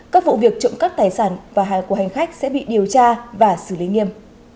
các vụ việc trộm cắp tài sản và hàng của hành khách sẽ bị điều tra và xử lý nghiêm